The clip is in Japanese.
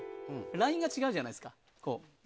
ラインが違うじゃないですか。